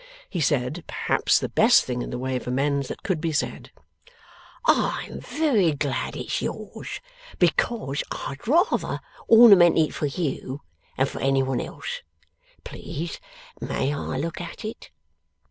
He said, perhaps, the best thing in the way of amends that could be said. 'I am very glad it's yours, because I'd rather ornament it for you than for any one else. Please may I look at it?